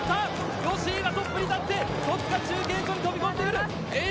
吉居がトップに立って戸塚中継所に飛び込んでいる。